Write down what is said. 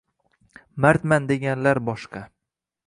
Mardman deganlar boshqa